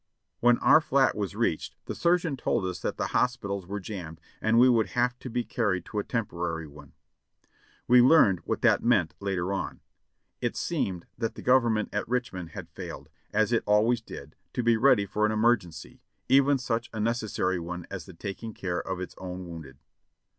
When our fiat was reached the surgeon told us that the hos pitals were jammed, and we would have to be carried to a tem porary one. We learned what that meant later on. It seemed that the Government at Richmond had failed, as it always did, to be ready for an emergency, even such a necessary one as the taking care of its own wounded.